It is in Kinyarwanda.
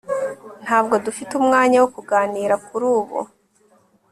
ntabwo dufite umwanya wo kuganira kuri ubu